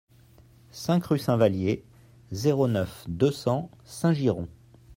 cinq rue Saint-Valier, zéro neuf, deux cents Saint-Girons